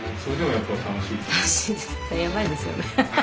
やばいですよね。